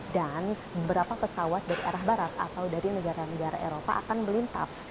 dan beberapa pesawat dari arah barat atau dari negara negara eropa akan melintas